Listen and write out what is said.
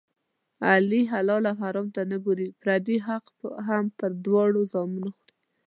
علي حلال او حرام ته نه ګوري، پردی حق هم په دواړو زامو خوري.